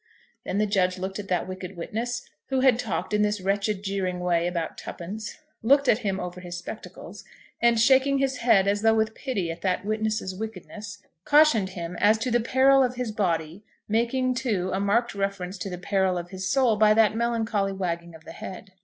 Then the judge looked at that wicked witness, who had talked in this wretched, jeering way about twopence! looked at him over his spectacles, and shaking his head as though with pity at that witness's wickedness, cautioned him as to the peril of his body, making, too, a marked reference to the peril of his soul by that melancholy wagging of the head.